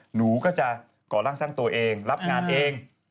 หนูก็จะก่อร่างสร้างตัวเองรับงานเอง